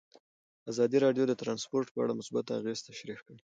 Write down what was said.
ازادي راډیو د ترانسپورټ په اړه مثبت اغېزې تشریح کړي.